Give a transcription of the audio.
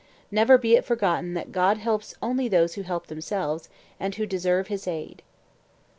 Never be it forgotten that God helps only those who help themselves and who deserve his aid."